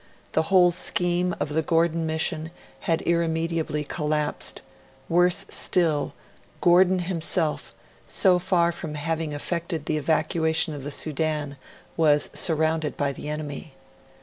The whole scheme of the Gordon mission had irremediably collapsed; worse still, Gordon himself, so far from having effected the evacuation of the Sudan, was surrounded by the enemy.